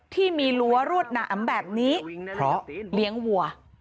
รั้วรวดหนามแบบนี้เพราะเลี้ยงวัว